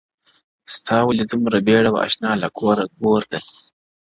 • ستا ولي دومره بېړه وه اشنا له کوره ـ ګور ته ـ